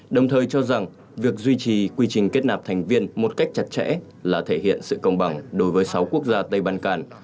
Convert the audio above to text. đồng thời cho rằng việc duy trì quy trình kết nạp thành viên một cách chặt chẽ là thể hiện sự công bằng đối với sáu quốc gia tây ban can